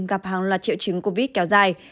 gặp hàng loạt triệu chứng covid kéo dài